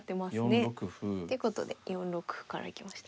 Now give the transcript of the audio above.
４六歩。ってことで４六歩から行きました。